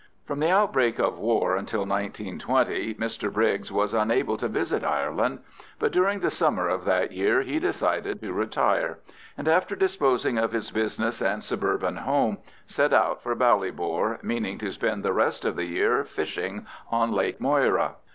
From the outbreak of war until 1920 Mr Briggs was unable to visit Ireland, but during the summer of that year he decided to retire, and after disposing of his business and suburban home, set out for Ballybor, meaning to spend the rest of the year fishing on Lake Moyra.